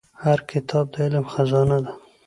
هر کتاب د علم خزانه ده.